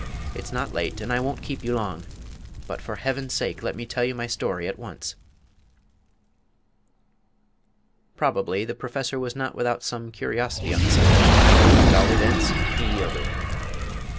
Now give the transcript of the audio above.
It's not late, and I won't keep you long but for Heaven's sake, let me tell you my story at once." Probably the Professor was not without some curiosity on the subject; at all events he yielded.